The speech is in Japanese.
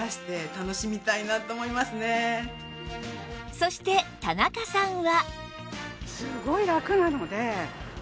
そして田中さんは？